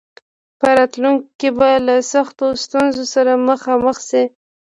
په راتلونکي کې به له سختو ستونزو سره مخامخ شي.